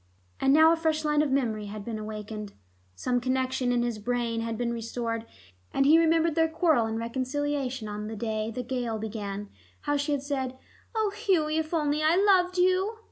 But now a fresh line of memory had been awakened: some connection in his brain had been restored, and he remembered their quarrel and reconciliation on the day the gale began; how she had said, "Oh, Hughie, if only I loved you!"